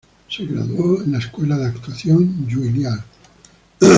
Se graduó en la escuela de actuación Juilliard.